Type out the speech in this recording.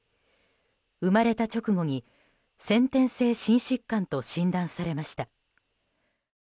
生まれた直後に先天性心疾患と診断されました。